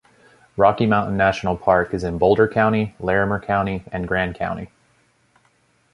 Rocky Mountain National Park is in Boulder County, Larimer County, and Grand County.